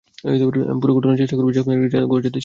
আমি পুরো চেষ্টা করবো যে আপনাদের ঘর যাতে ছিনিয়ে নেওয়া না হয়।